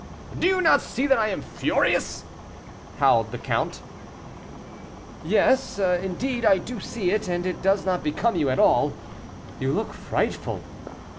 "Do you not see that I am furious?" howled the count. "Yes, indeed, I do see it, and it does not become you at all; you look frightful."